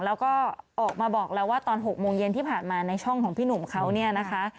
แล้วก็ออกมาบอกแล้วว่าตอน๖โมงเย็นที่ผ่านมาในช่องของพี่หนุ่มเขาเนี่ยนะคะ